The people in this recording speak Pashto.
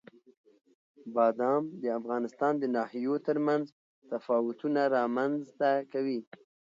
بادام د افغانستان د ناحیو ترمنځ تفاوتونه رامنځ ته کوي.